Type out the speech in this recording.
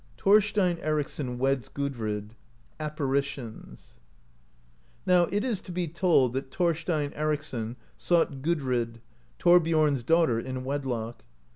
THORSTEIN ERICSSON WEDS GUDRID ; APPARITIONS. Now it is to be told that Thorstein Ericsson sought Gudrid, Thorbiom's daughter, in wedlock.